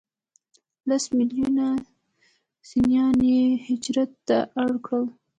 لس ملیونه سنیان یې هجرت ته اړ کړل.